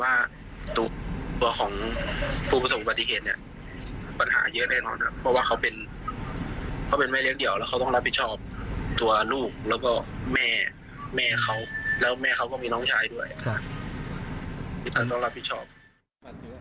อย่างน้องราบผิดชอบ